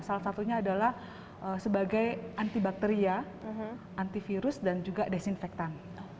salah satunya adalah sebagai antibakteria antivirus dan juga desinfektan